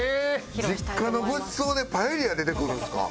実家のご馳走でパエリア出てくるんですか？